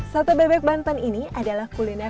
sate bebek banten ini adalah kuliner